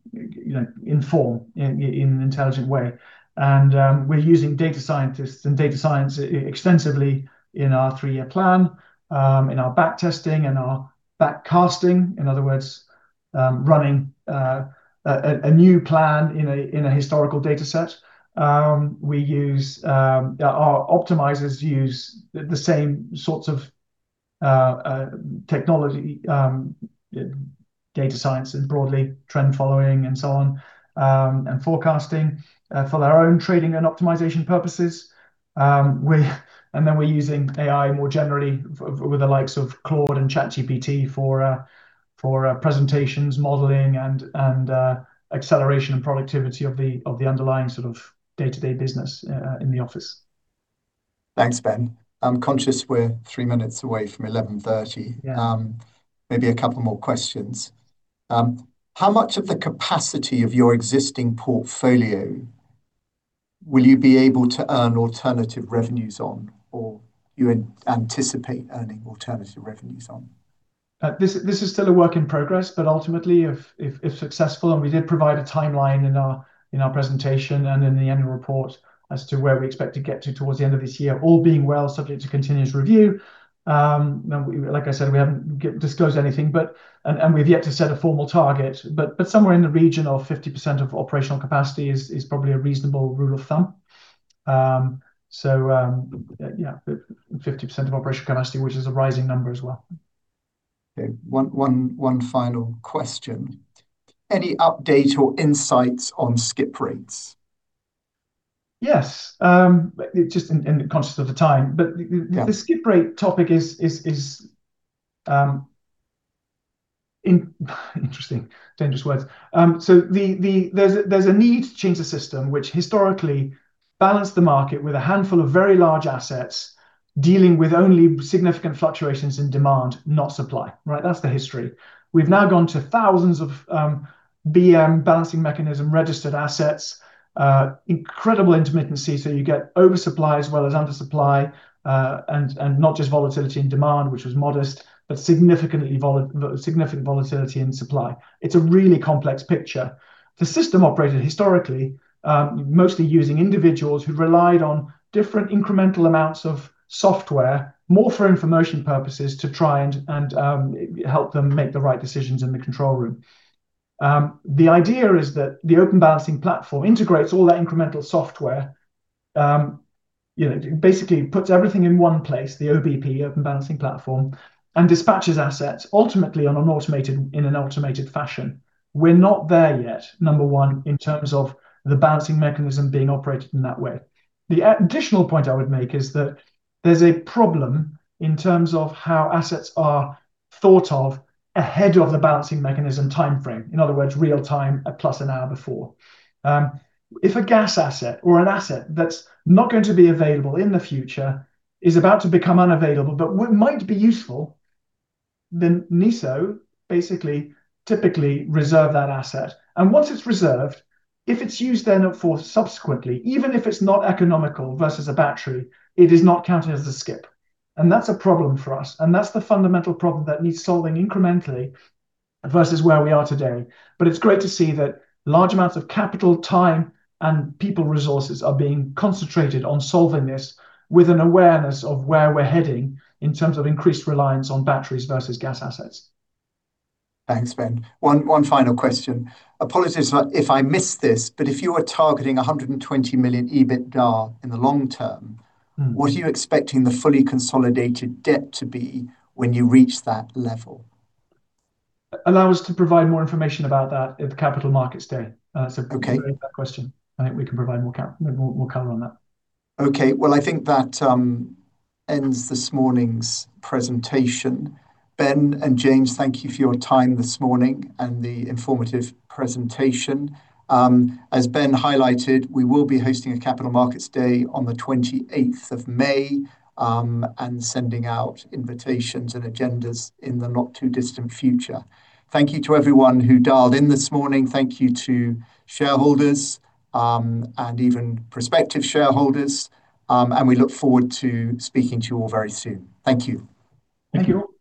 in an intelligent way. We're using data scientists and data science extensively in our three-year plan, in our back testing and our back casting. In other words, running a new plan in a historical data set. Our optimizers use the same sorts of technology, data science and broadly trend following and so on, and forecasting for our own trading and optimization purposes. Then we're using AI more generally with the likes of Claude and ChatGPT for presentations, modeling, and acceleration and productivity of the underlying sort of day-to-day business in the office. Thanks, Ben. I'm conscious we're three minutes away from 11:30. Yeah. Maybe a couple more questions. How much of the capacity of your existing portfolio will you be able to earn alternative revenues on, or you anticipate earning alternative revenues on? This is still a work in progress, but ultimately if successful, and we did provide a timeline in our presentation and in the annual report as to where we expect to get to towards the end of this year, all being well, subject to continuous review. Now, like I said, we haven't disclosed anything, and we've yet to set a formal target, but somewhere in the region of 50% of operational capacity is probably a reasonable rule of thumb. Yeah, 50% of operational capacity, which is a rising number as well. Okay. One final question. Any update or insights on skip rates? Yes. Just, I'm conscious of the time, but- Yeah -the skip rate topic is interesting. Dangerous words. There's a need to change the system which historically balanced the market with a handful of very large assets dealing with only significant fluctuations in demand, not supply. Right? That's the history. We've now gone to thousands of BM, Balancing Mechanism registered assets, incredible intermittency. You get oversupply as well as undersupply, and not just volatility in demand, which was modest, but significant volatility in supply. It's a really complex picture. The system operated historically, mostly using individuals who relied on different incremental amounts of software, more for information purposes, to try and help them make the right decisions in the control room. The idea is that the Open Balancing Platform integrates all that incremental software, basically puts everything in one place, the OBP, Open Balancing Platform, and dispatches assets ultimately in an automated fashion. We're not there yet, number one, in terms of the Balancing Mechanism being operated in that way. The additional point I would make is that there's a problem in terms of how assets are thought of ahead of the Balancing Mechanism timeframe. In other words, real time plus an hour before. If a gas asset or an asset that's not going to be available in the future is about to become unavailable, but might be useful, then NESO basically typically reserve that asset. Once it's reserved, if it's used then for subsequently, even if it's not economical versus a battery, it is not counted as a skip. That's a problem for us, and that's the fundamental problem that needs solving incrementally versus where we are today. It's great to see that large amounts of capital, time, and people resources are being concentrated on solving this with an awareness of where we're heading in terms of increased reliance on batteries versus gas assets. Thanks, Ben. One final question. Apologies if I missed this, but if you are targeting 120 million EBITDA in the long term, what are you expecting the fully consolidated debt to be when you reach that level? Allow us to provide more information about that at the Capital Markets Day. Okay. Regarding that question, I think we can provide more color on that. Okay. Well, I think that ends this morning's presentation. Ben and James, thank you for your time this morning and the informative presentation. As Ben highlighted, we will be hosting a Capital Markets Day on the May 28th, and sending out invitations and agendas in the not-too-distant future. Thank you to everyone who dialed in this morning. Thank you to shareholders, and even prospective shareholders, and we look forward to speaking to you all very soon. Thank you. Thank you.